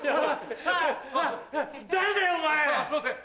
すいません。